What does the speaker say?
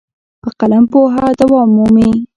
په قلم پوهه دوام مومي.